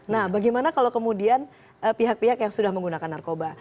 nah bagaimana kalau kemudian pihak pihak yang sudah menggunakan narkoba